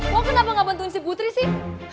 lo kenapa ga bantuin si putri sih